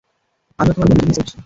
আমিও তোমার বোনকে মিস করছি।